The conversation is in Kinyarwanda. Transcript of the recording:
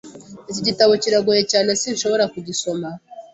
Iki gitabo kiragoye cyane, sinshobora kugisoma.